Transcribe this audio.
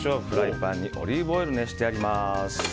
フライパンにオリーブオイル熱してあります。